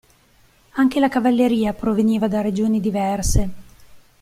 Anche la cavalleria proveniva da regioni diverse.